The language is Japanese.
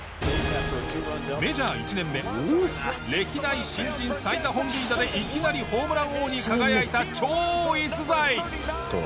メジャー１年目歴代新人最多本塁打でいきなりホームラン王に輝いた超逸材。